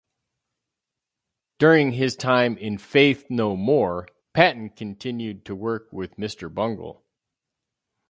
During his time in Faith No More, Patton continued to work with Mr. Bungle.